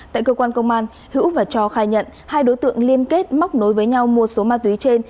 tại cơ quan công an hữu và cho khai nhận hai đối tượng liên kết móc nối với nhau mua số ma túy trên